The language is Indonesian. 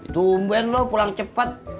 tumben lu pulang cepet